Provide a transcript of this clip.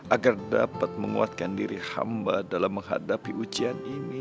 agar dapat menguatkan diri hamba dalam menghadapi ujian ini